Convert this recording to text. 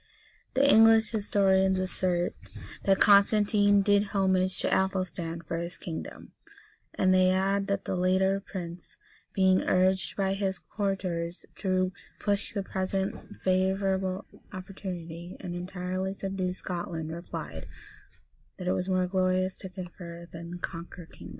The English historians assert,[] that Constantine did homage to Athelstan for his kingdom; and they add, that the latter prince, being urged by his courtiers to push the present favorable opportunity, and entirely subdue Scotland, replied, that it was more glorious to confer than conquer kingdoms.